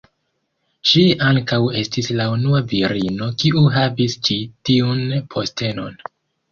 Ŝi ankaŭ estis la unua virino kiu havis ĉi-tiun postenon.